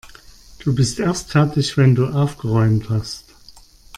Du bist erst fertig, wenn du aufgeräumt hast.